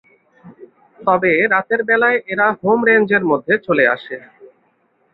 তবে রাতের বেলায় এরা হোম রেঞ্জের মধ্যে চলে আসে।